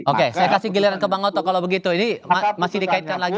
oke saya kasih giliran ke bang oto kalau begitu ini masih dikaitkan lagi